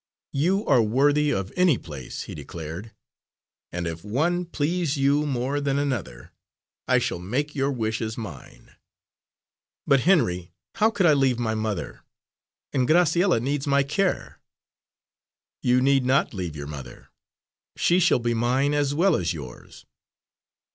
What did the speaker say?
"You are worthy of any place," he declared, "and if one please you more than another, I shall make your wishes mine." "But, Henry, how could I leave my mother? And Graciella needs my care." "You need not leave your mother she shall be mine as well as yours.